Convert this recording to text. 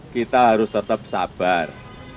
kita harus tetap sabar